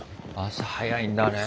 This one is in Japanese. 朝早いんだね。